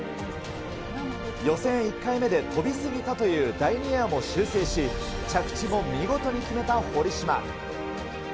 予選１回目で飛び過ぎたという第２エアも修正し、着地も見事に決めた堀島。